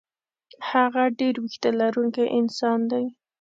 هغه ډېر وېښته لرونکی انسان دی.